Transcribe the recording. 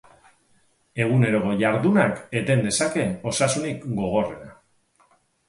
Eguneroko jardunak eten dezake osasunik gogorrena.